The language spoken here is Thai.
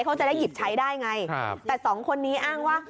เขาจะได้หยิบใช้ได้ไงแต่สองคนนี้อ้างว่า